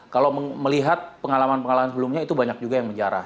kalau melihat pengalaman pengalaman sebelumnya itu banyak juga yang menjarah